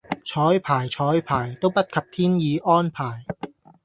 綵排綵排都不及天意安排